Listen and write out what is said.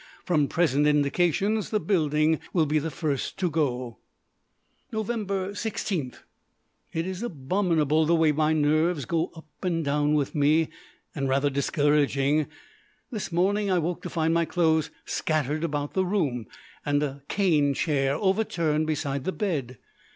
From present indications the building will be the first to go. Nov. 16. It is abominable the way my nerves go up and down with me and rather discouraging. This morning I woke to find my clothes scattered about the room, and a cane chair overturned beside the bed.